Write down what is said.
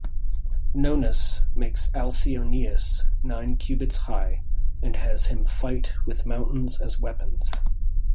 Nonnus makes Alcyoneus nine cubits high, and has him fight with mountains as weapons.